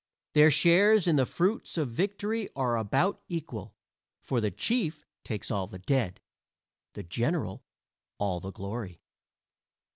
Their shares in the fruits of victory are about equal, for the chief takes all the dead, the general all the glory.